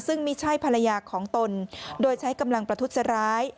ซึ่งไม่ใช่ภรรยาของตนโดยใช้กำลังประทุษร้าย